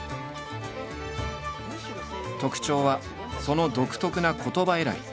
特徴はその独特な言葉選び。